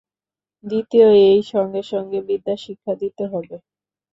দ্বিতীয়, এই সঙ্গে সঙ্গে বিদ্যাশিক্ষা দিতে হবে।